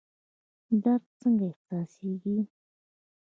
درد څنګه احساسیږي؟